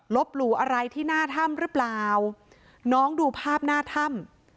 หลู่อะไรที่หน้าถ้ำหรือเปล่าน้องดูภาพหน้าถ้ำ